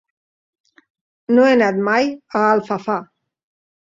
No he anat mai a Alfafar.